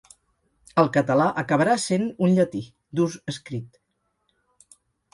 El català acabarà essent un llatí, d’ús escrit.